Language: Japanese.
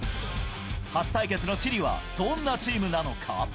初対決のチリは、どんなチームなのか？